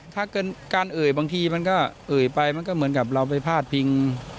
ถ้าเกินการเอ่ยบางทีมันก็เอ่ยไปมันก็เหมือนกับเราไปพาดพิง